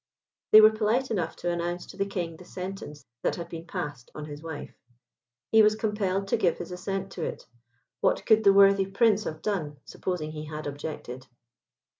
They were polite enough to announce to the King the sentence that had been passed on his wife. He was compelled to give his assent to it. What could the worthy Prince have done, supposing he had objected?